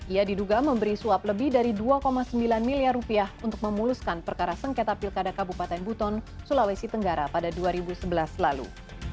ia diduga memberi suap lebih dari dua sembilan miliar rupiah untuk memuluskan perkara sengketa pilkada kabupaten buton sulawesi tenggara pada dua ribu sebelas lalu